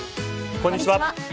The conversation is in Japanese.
こんにちは。